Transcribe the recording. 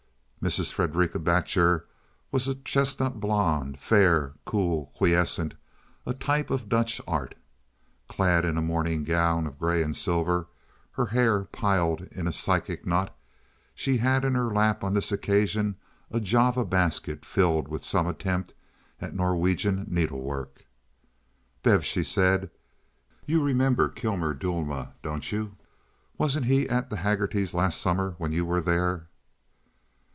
Mrs. Fredericka Batjer was a chestnut blonde, fair, cool, quiescent—a type out of Dutch art. Clad in a morning gown of gray and silver, her hair piled in a Psyche knot, she had in her lap on this occasion a Java basket filled with some attempt at Norwegian needlework. "Bevy," she said, "you remember Kilmer Duelma, don't you? Wasn't he at the Haggertys' last summer when you were there?"